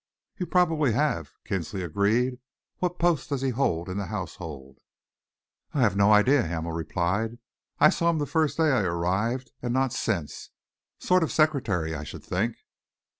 "You probably have," Kinsley agreed. "What post does he hold in the household?" "I have no idea," Hamel replied. "I saw him the first day I arrived and not since. Sort of secretary, I should think."